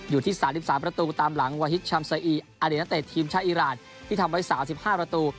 อยู่ที่๓๓ประตูตามหลังวาฮิตชัมซาอีอดีตนักเตะทีมชาติอิราณที่ทำไว้๓๕ประตู